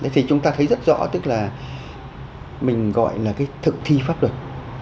thì chúng ta thấy rất rõ tức là mình gọi là cái thực thi pháp luật